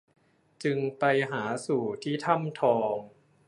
จึงไปหาสู่ที่ถ้ำทอง